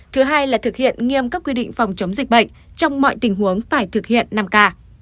thứ hai là thực hiện nghiêm các quy định phòng chống dịch bệnh trong mọi tình huống phải thực hiện năm k